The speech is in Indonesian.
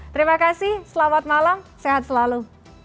terima kasih selamat malam sehat selalu